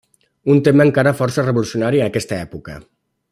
Un tema encara força revolucionari a aquesta època.